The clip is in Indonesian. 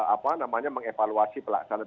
apa namanya mengevaluasi pelaksanaan